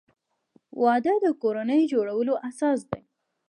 وادۀ د کورنۍ جوړولو اساس دی.